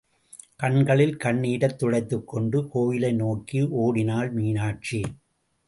கண்களில் கண்ணீரைத் துடைத்து கொண்டு கோயிலை நோக்கி ஓடினாள் மீனாட்சி.